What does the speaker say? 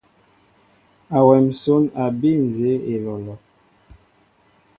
Awem nsón a bii nzeé olɔlɔ.